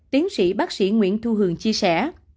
tiến sĩ bác sĩ nguyễn thu hường chia sẻ